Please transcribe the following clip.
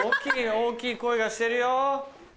大きい声がしてるよ。